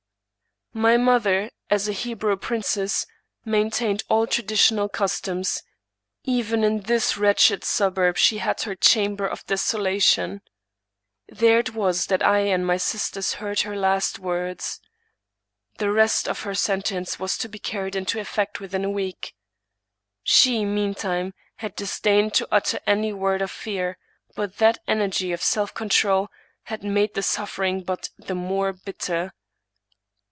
My mother, as a Hebrew princess, maintained all traditional customs. Even in this wretched suburb she had her 'chamber of desolation/ There it was that I and my sisters heard her last words. The rest of her sentence was to be carried into effect within. a week. She, meantime, had disdained to utter any word 154 Thomas De Quincey t)f feaf '; \)ul tliat energy of self control had made the suf fering but the more bitter.